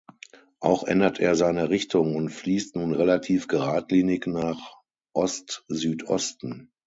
Auch ändert er seine Richtung und fließt nun relativ geradlinig nach Ostsüdosten.